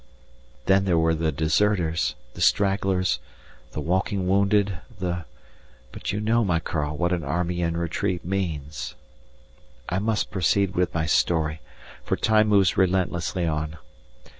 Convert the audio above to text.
Then there were the deserters, the stragglers, the walking wounded, the but you know, my Karl, what an army in retreat means. I must proceed with my story, for time moves relentlessly on.